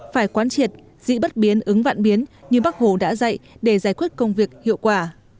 phải quán triệt dĩ bất biến ứng vạn biến như bác hồ đã dạy để giải quyết công việc hiệu quả